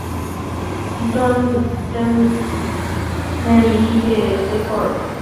ডন Bradman যে এ record পকেটে পুরে রেখেছেন বহু আগেই।